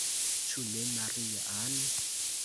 Ĉu ne, Maria-Ann?